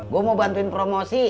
gua mau bantuin promosi